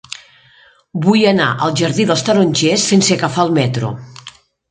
Vull anar al jardí dels Tarongers sense agafar el metro.